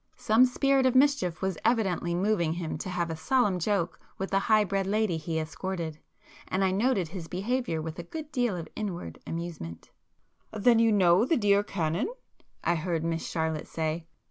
Some spirit of mischief was evidently moving him to have a solemn joke with the high bred lady he escorted, and I noted his behaviour with a good deal of inward amusement. [p 135]"Then you know the dear Canon?" I heard Miss Charlotte say.